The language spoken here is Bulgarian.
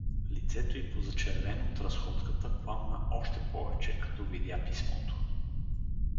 Лицето й позачервено от разходката, пламна още повече, като видя писмото.